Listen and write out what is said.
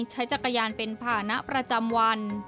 ใช้จักรยานเป็นภานะประจำวัน